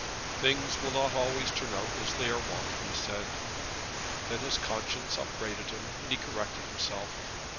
"Things will not always turn out as they are wanted," he said. Then his conscience upbraided him, and he corrected himself.